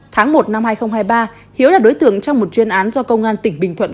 tháng một năm hai nghìn hai mươi ba hiếu là đối tượng trong một chuyên án do công an tỉnh bình thuận